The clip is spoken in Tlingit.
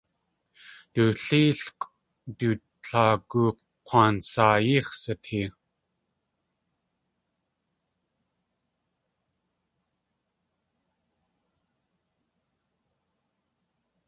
Du léelkʼw du tlagook̲wansaayíx̲ sitee.